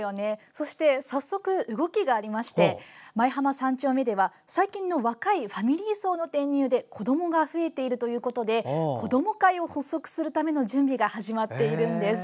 そして早速動きがありまして舞浜三丁目では、最近の若いファミリー層の転入で子どもが増えているということで子ども会を発足するための準備が始まっているんです。